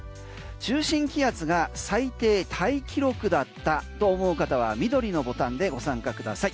中心気圧が最低タイ記録だったと思う方は緑のボタンでご参加ください。